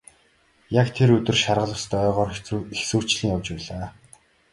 Яг тэр өдөр шаргал үст ойгоор хэсүүчлэн явж байлаа.